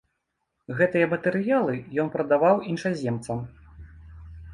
Гэтыя матэрыялы ён прадаваў іншаземцам.